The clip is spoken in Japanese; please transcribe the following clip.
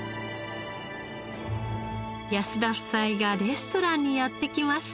安田夫妻がレストランにやって来ました。